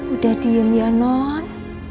udah diem ya non